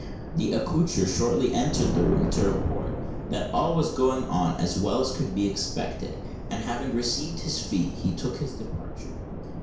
The accoucheur shortly entered the room to report that "all was going on as well as could be expected;" and, having received his fee, he took his departure.